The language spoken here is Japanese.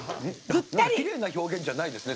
きれいな表現じゃないですね。